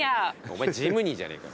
お前ジムニーじゃねえか。